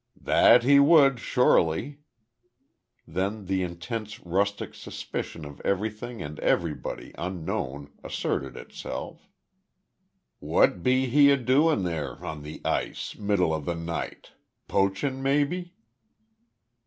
"That he would, sure ly." Then the intense rustic suspicion of everything and everybody unknown asserted itself "What be he a doing there on the ice middle of the night? Poachin' may be?"